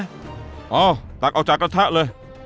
อ้าวตักเอาจากกระทะเลย